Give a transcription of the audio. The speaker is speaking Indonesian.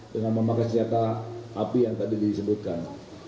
dengan memakai senjata api yang tadi disebutkan